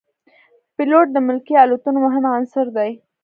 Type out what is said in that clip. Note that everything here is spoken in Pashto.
پیلوټ د ملکي الوتنو مهم عنصر دی.